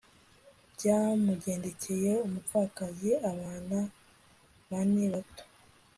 byamugendekeye, umupfakazi, abana bane bato